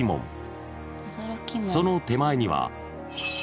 ［その手前には］